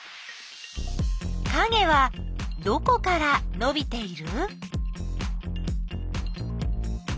かげはどこからのびている？